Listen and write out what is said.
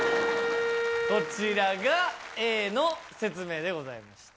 こちらがＡの説明でございました。